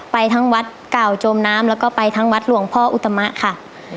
ไปทั้งวัดเก่าจมน้ำแล้วก็ไปทั้งวัดหลวงพ่ออุตมะค่ะ